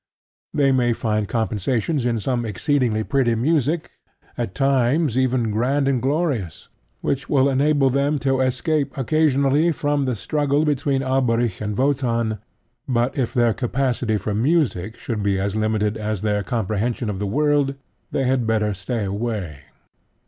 They may find compensations in some exceedingly pretty music, at times even grand and glorious, which will enable them to escape occasionally from the struggle between Alberic and Wotan; but if their capacity for music should be as limited as their comprehension of the world, they had better stay away.